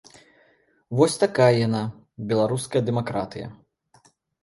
Вось такая яна, беларуская дэмакратыя.